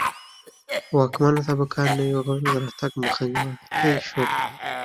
واکمنه طبقه نویو غړو د راتګ مخه نیولای شوه